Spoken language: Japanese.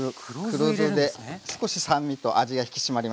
黒酢で少し酸味と味が引き締まります。